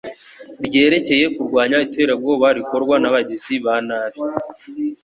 ryerekeye kurwanya iterabwoba rikorwa nabagizi banabi